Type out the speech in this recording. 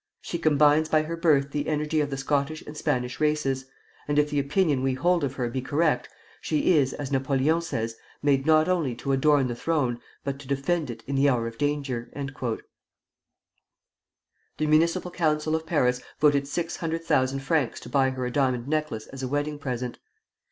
She combines by her birth the energy of the Scottish and Spanish races, and if the opinion we hold of her be correct, she is, as Napoleon says, made not only to adorn the throne, but to defend it in the hour of danger." The Municipal Council of Paris voted six hundred thousand francs to buy her a diamond necklace as a wedding present.